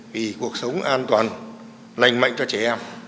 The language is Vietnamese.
vì cuộc sống an toàn lành mạnh cho trẻ em